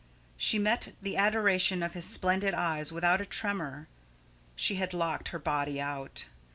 She met the adoration of his splendid eyes without a tremor. She had locked her body out.